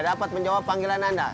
dapat menjawab panggilan anda